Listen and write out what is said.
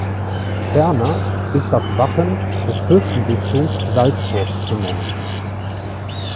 Ferner ist das Wappen des Fürsterzbistums Salzburg zu nennen.